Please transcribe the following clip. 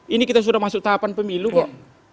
ini kita sudah masuk tahapan pemilu kok